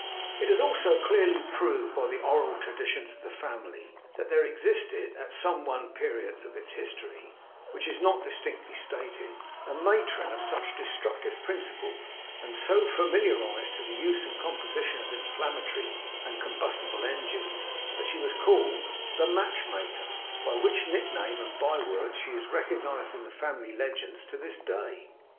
It is also clearly proved by the oral traditions of the Family, that there existed, at some one period of its history which is not distinctly stated, a matron of such destructive principles, and so familiarized to the use and composition of inflammatory and combustible engines, that she was called 'The Match Maker;' by which nickname and byword she is recognized in the Family legends to this day.